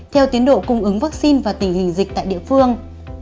theo tiến độ cung ứng vaccine và tình hình dịch tại địa phương